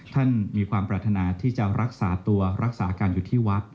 ท่านมีความปรารถนาที่จะรักษาตัวรักษาการอยู่ที่วัด